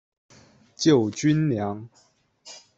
救军粮